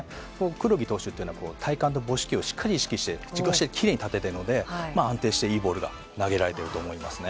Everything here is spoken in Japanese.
黒木投手というのは、体幹と拇指球をしっかり意識して、軸足できれいに立てているので、安定して、いいボールが投げられていると思いますね。